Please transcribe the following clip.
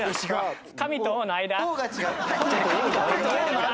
神と王の間って。